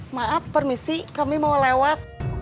maaf permisi kami mau lewat